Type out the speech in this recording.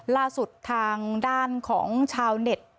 ล่าสุดทางด้านของชาวเน็ต